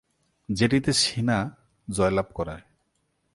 যেটিতে সিনা জয়লাভ করে।